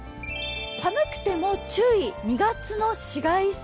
寒くても注意、２月の紫外線。